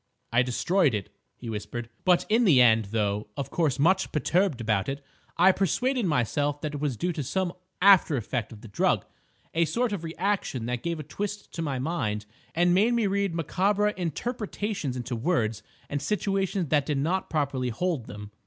"I destroyed it," he whispered. "But, in the end, though of course much perturbed about it, I persuaded myself that it was due to some after effect of the drug, a sort of reaction that gave a twist to my mind and made me read macabre interpretations into words and situations that did not properly hold them."